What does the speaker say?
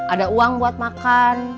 ada uang buat makan